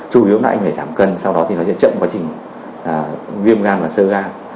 chủ yếu là anh phải giảm cân sau đó thì nó sẽ chậm quá trình viêm gan và sơ gan